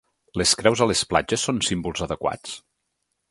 Les creus a les platges són símbols adequats?